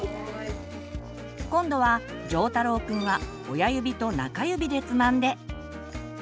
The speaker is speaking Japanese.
今度はじょうたろうくんは親指と中指でつまんで。